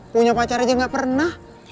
punya pacar aja gak pernah